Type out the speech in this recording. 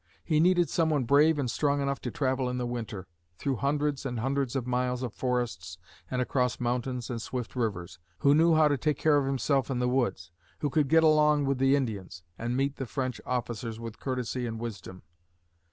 He needed someone brave and strong enough to travel in the winter, through hundreds and hundreds of miles of forests and across mountains and swift rivers; who knew how to take care of himself in the woods; who could get along with the Indians, and meet the French officers with courtesy and wisdom.